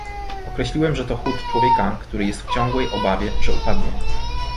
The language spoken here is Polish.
"Określiłem, że to chód człowieka, który jest w ciągłej obawie, że upadnie."